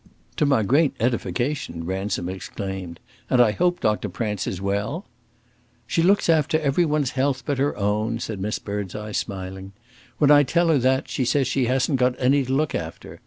"To my great edification!" Ransom exclaimed. "And I hope Doctor Prance is well." "She looks after every one's health but her own," said Miss Birdseye, smiling. "When I tell her that, she says she hasn't got any to look after.